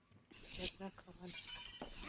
جګړه کوله.